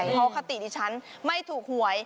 เพราะคติดิฉันไม่ถูกหวย